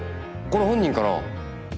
これ本人かな？